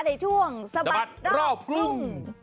ในช่วงสะบัดรอบกรุง